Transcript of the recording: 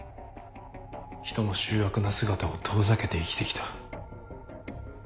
人の醜悪な姿を遠ざけて生きて来た。